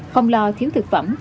không lo thiếu thực phẩm